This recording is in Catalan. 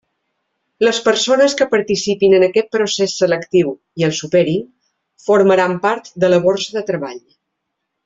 Les persones que participin en aquest procés selectiu, i el superin, formaran part de la borsa de treball.